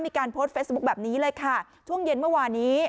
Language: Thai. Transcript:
มีการโพสต์เฟซบุ๊คแบบนี้เลยค่ะช่วงเย็นเมื่อวานนี้